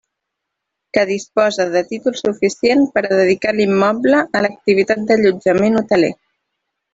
Que disposa de títol suficient per a dedicar l'immoble a l'activitat d'allotjament hoteler.